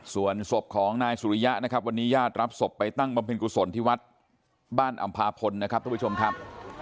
ส่วนศพของนายสุริยะนะครับวันนี้ญาติรับศพไปตั้งบำเพ็ญกุศลที่วัดบ้านอำพาพลนะครับทุกผู้ชมครับ